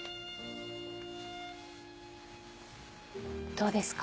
どうですか？